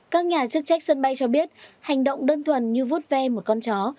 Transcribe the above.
các nhà chức trách sân bay cho biết hành động đơn thuần như vút ve một con chó